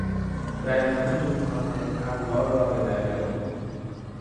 جریان رودخانه الوار را به دریا برد.